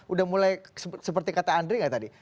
udah mulai seperti kata andri gak tadi